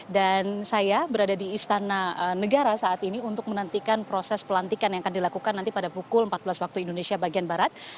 dan saya berada di istana negara saat ini untuk menantikan proses pelantikan yang akan dilakukan nanti pada pukul empat belas waktu indonesia bagian barat